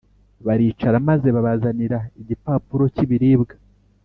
baricara maze babazanira igipapuro cy'ibiribwa